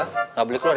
emang enak gue bawa ini